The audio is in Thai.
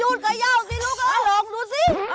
หยุดคยาวสิลูกลองดูสิ